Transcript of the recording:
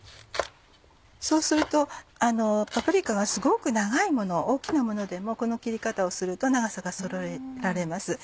そうするとパプリカがすごく長いもの大きなものでもこの切り方をすると長さがそろえられます。